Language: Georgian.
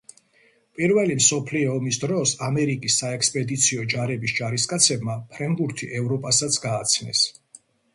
პირველი მსოფლიო ომის დროს ამერიკის საექსპედიციო ჯარების ჯარისკაცებმა ფრენბურთი ევროპასაც გააცნეს